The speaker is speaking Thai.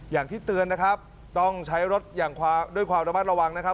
อย่างที่เตือนนะครับต้องใช้รถอย่างด้วยความระมัดระวังนะครับ